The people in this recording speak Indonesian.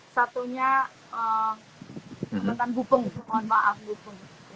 satunya satunya tegalsari bu bu maaf bu bu